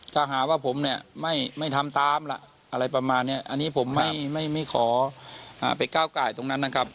ถ้าหาว่าผมเนี่ยไม่ทำตามล่ะอะไรประมาณนี้อันนี้ผมไม่ขอไปก้าวไก่ตรงนั้นนะครับ